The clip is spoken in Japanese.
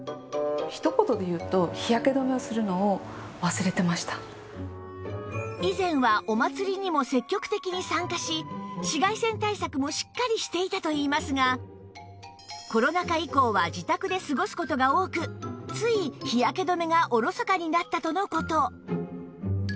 ひと言で言うと以前はお祭りにも積極的に参加し紫外線対策もしっかりしていたといいますがコロナ禍以降は自宅で過ごす事が多くつい日焼け止めがおろそかになったとの事